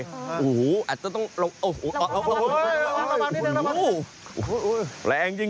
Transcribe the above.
โอ้โหอาจจะต้องลงโอ้โหโอ้โหโอ้โหแรงจริง